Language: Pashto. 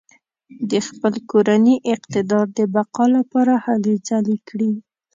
د خپل کورني اقتدار د بقا لپاره هلې ځلې کړې.